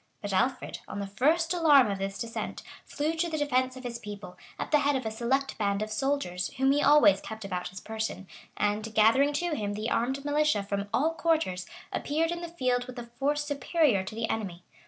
But Alfred, on the first alarm of this descent, flew to the defence of his people, at the head of a select band of soldiers, whom he always kept about his person,[*] and, gathering to him the armed militia from all quarters, appeared in the field with a force superior to the enemy.